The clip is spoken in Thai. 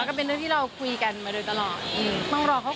ก็เป็นเรื่องที่เราคุยกันมาโดยตลอด